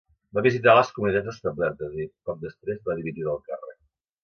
Va visitar les comunitats establertes i, poc després, va dimitir del càrrec.